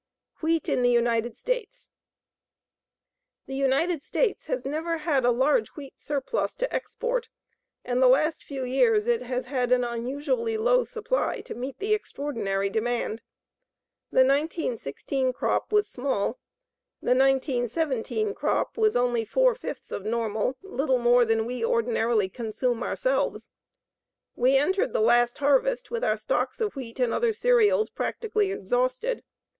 WHEAT IN THE UNITED STATES The United States has never had a large wheat surplus to export, and the last few years it has had an unusually low supply to meet the extraordinary demand. The 1916 crop was small. The 1917 crop was only four fifths of normal, little more than we ordinarily consume ourselves. We entered the last harvest with our stocks of wheat and other cereals practically exhausted.